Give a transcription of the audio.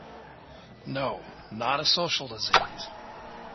No, not a social disease.